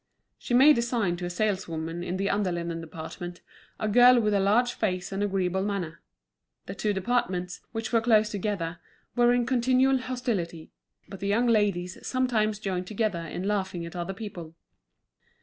She made a sign to a saleswoman in the under linen department, a girl with a large face and agreeable manner. The two departments, which were close together, were in continual hostility; but the young ladies sometimes joined together in laughing at other people.